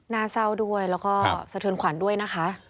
หน้าเศร้าด้วยแล้วก็สะเทือนขวัญด้วยนะคะ